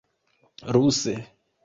ruse